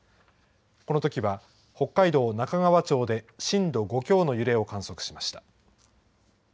このときは北海道中川町で、震度５強の揺れを観測しました。